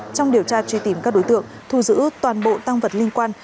trong điều tra truy tìm các đối tượng thu giữ toàn bộ tăng vật liên quan